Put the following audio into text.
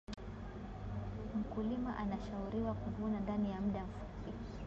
mkulima anshauriwa kuvuna ndani ya mda mfupi